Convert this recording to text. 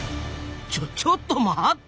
ちょちょっと待った！